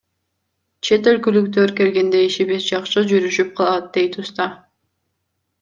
Чет өлкөлүктөр келгенде ишибиз жакшы жүрүшүп калат, — дейт уста.